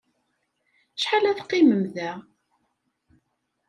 Acḥal ad teqqimem da?